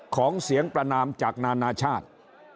เสียงประนามจากนานาชาติ